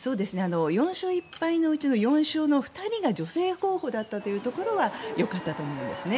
４勝１敗のうちの４勝の２人が女性候補だったというところはよかったと思うんですね。